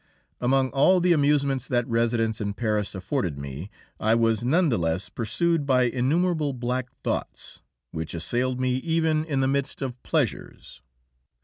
Among all the amusements that residence in Paris afforded me, I was none the less pursued by innumerable black thoughts, which assailed me even in the midst of pleasures.